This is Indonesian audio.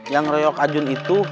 yang ngeroyok ajun itu